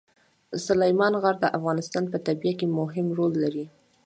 سلیمان غر د افغانستان په طبیعت کې مهم رول لري.